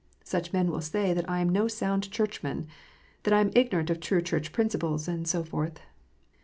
Such men will say that I am no sound Churchman, that I am ignorant of true Church principles, and so forth.